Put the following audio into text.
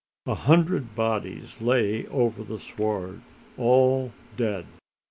A hundred bodies lay over the sward, all dead.